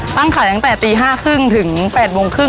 ตั้งขายตั้งแต่๕๓๐นถึง๘๓๐นหรือ๙๐๐น